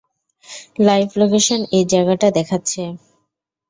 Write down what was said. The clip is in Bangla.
লাইভ লোকেশন এই জায়গাটা দেখাচ্ছে।